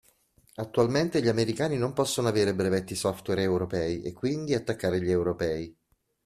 Attualmente gli Americani non possono avere brevetti software Europei e quindi attaccare gli Europei.